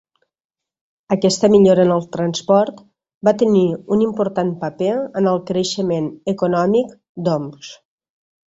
Aquesta millora en el transport va tenir un important paper en el creixement econòmic d'Omsk.